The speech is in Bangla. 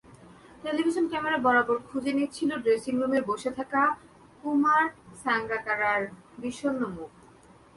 টেলিভিশন ক্যামেরা বারবার খুঁজে নিচ্ছিল ড্রেসিংরুমে বসে থাকা কুমার সাঙ্গাকারার বিষণ্ন মুখ।